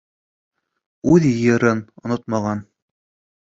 — Үҙ йырын онотмаған!